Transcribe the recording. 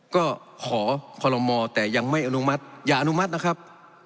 ก็ขอคอลโลมอแต่ยังไม่อนุมัติอย่าอนุมัตินะครับ